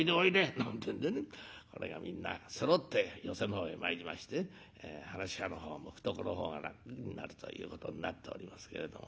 なんてえんでねこれがみんなそろって寄席の方へ参りまして噺家の方を向くと楽になるということになっておりますけれども。